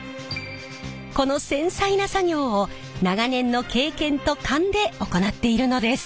この繊細な作業を長年の経験と勘で行っているのです。